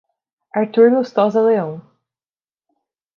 Artur Lustosa Leao